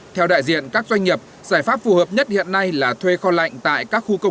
theo đại diện các doanh nghiệp giải pháp phù hợp nhất hiện nay là thuê kho lạnh tại các khu công